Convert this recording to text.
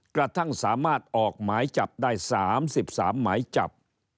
กระทั่งสามารถออกหมายจับได้๓๓หมายจับ